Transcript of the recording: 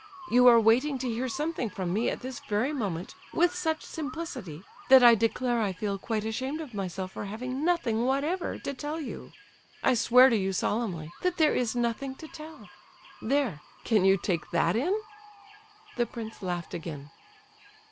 You are waiting to hear something from me at this very moment with such simplicity that I declare I feel quite ashamed of myself for having nothing whatever to tell you. I swear to you solemnly, that there is nothing to tell. There! Can you take that in?" The prince laughed again.